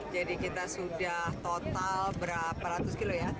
jadi kita sudah total berapa ratus kilo ya